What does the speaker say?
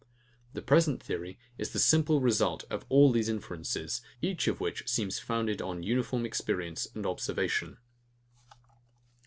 The present theory is the simple result of all these inferences, each of which seems founded on uniform experience and observation.